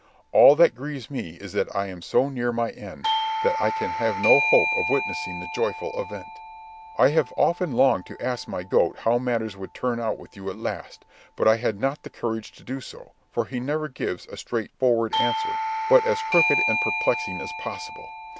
All that grieves me is that I am so near my end, that I can have no hope of witnessing the joyful event. "I have often longed to ask my goat how matters would turn out with you at last; but I had not the courage to do so, for he never gives a straightforward answer, but as crooked and perplexing as possible.